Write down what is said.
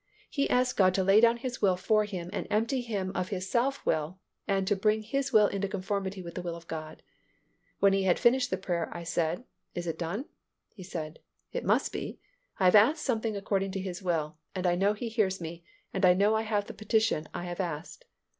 He asked God to lay down his will for him and empty him of his self will and to bring his will into conformity with the will of God. When he had finished the prayer, I said, "Is it done?" He said, "It must be. I have asked something according to His will and I know He hears me and I know I have the petition I have asked.